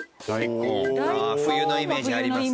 ああ冬のイメージありますね。